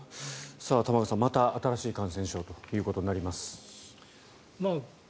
玉川さん、また新しい感染症ということになります。